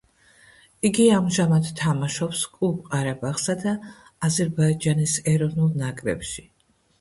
იგი ამჟამად თამაშობს კლუბ ყარაბაღსა და აზერბაიჯანის ეროვნულ ნაკრებში.